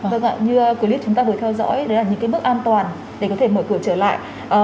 vâng ạ như clip chúng ta vừa theo dõi đó là những cái mức an toàn để có thể mở cửa trở lại